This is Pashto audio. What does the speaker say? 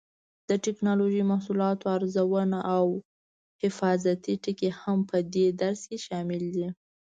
د ټېکنالوجۍ محصولاتو ارزونه او حفاظتي ټکي هم په دې درس کې شامل دي.